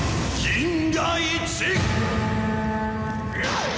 銀河一！」